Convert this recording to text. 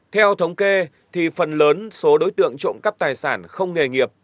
theo thống kê thì phần lớn số đối tượng trộm cắp tài sản không nghề nghiệp